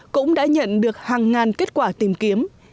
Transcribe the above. cũng đã nhận được hàng ngàn kết quả tìm kiếm